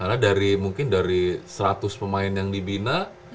karena mungkin dari seratus pemain yang dibina